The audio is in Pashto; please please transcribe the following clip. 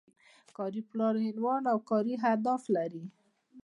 کاري پلان عنوان او کاري اهداف لري.